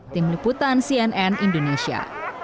tim liputan cnn indonesia